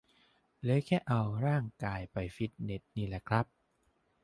เหลือแค่เอาร่างกายไปฟิตเนสนี่แหละครับ